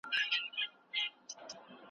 ميرمن خاوند ته ضرر رسولای سي